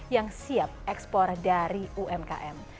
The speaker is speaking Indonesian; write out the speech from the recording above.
yang siap ekspor dari umkm